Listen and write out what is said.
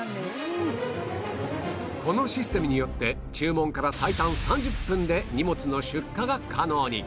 このシステムによって注文から最短３０分で荷物の出荷が可能に